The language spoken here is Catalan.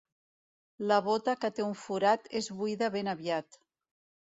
La bota que té un forat es buida ben aviat.